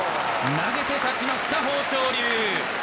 投げて勝ちました、豊昇龍。